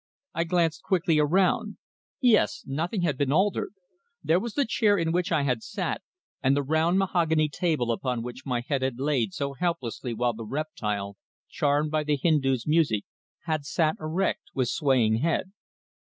I glanced quickly around. Yes, nothing had been altered. There was the chair in which I had sat, and the round, mahogany table upon which my head had laid so helplessly while the reptile, charmed by the Hindu's music, had sat erect with swaying head.